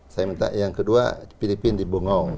saya minta yang kedua filipina di bungaung